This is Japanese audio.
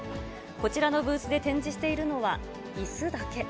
こちらのブースで展示しているのは、いすだけ。